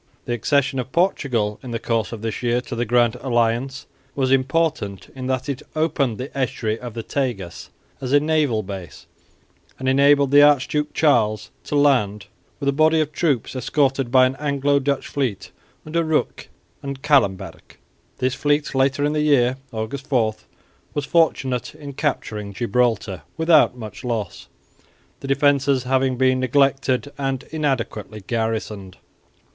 The accession of Portugal in the course of this year to the Grand Alliance was important in that it opened the estuary of the Tagus as a naval base, and enabled the Archduke Charles to land with a body of troops escorted by an Anglo Dutch fleet under Rooke and Callenberg. This fleet later in the year (August 4) was fortunate in capturing Gibraltar without much loss, the defences having been neglected and inadequately garrisoned.